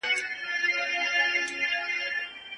قلمي خط د ذهني زوال مخه نیسي.